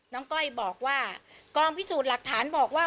ก้อยบอกว่ากองพิสูจน์หลักฐานบอกว่า